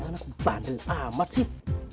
masa mana aku bandel amat sih